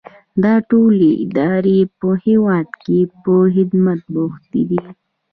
دا ټولې ادارې په هیواد کې په خدمت بوختې دي.